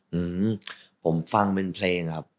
อืมผมฟังเป็นเพลงครับ